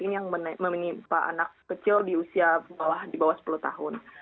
ini yang menimpa anak kecil di usia malah di bawah sepuluh tahun